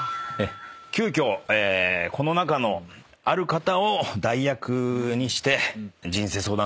急きょこの中のある方を代役にして人生相談